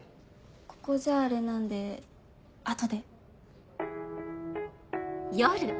ここじゃあれなんで後で。